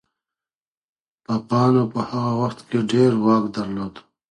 پاپانو په هغه وخت کي ډېر واک درلود.